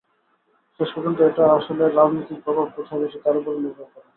শেষ পর্যন্ত এটা আসলে রাজনৈতিক প্রভাব কোথায় বেশি তার ওপরই নির্ভর করে।